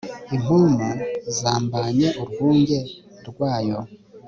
impumu zambanye urwunge rwayo